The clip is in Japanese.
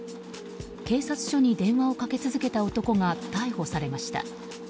警察署に電話をかけ続けた男が逮捕されました。